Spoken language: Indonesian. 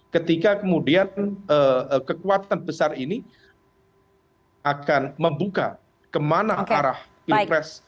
ketika kemudian kekuatan besar ini akan membuka kemana arah pilpres